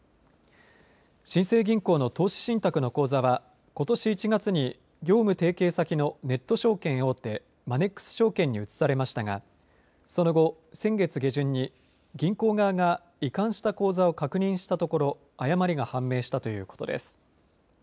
新生銀行の投資信託の口座はことし１月に業務提携先のネット証券大手マネックス証券に移されましたがその後、先月下旬に銀行側が移管した口座を確認したところ誤りが判明したということです。